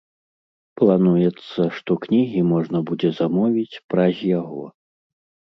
Плануецца, што кнігі можна будзе замовіць праз яго.